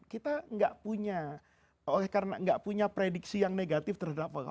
kita gak punya oleh karena gak punya prediksi yang negatif terhadap allah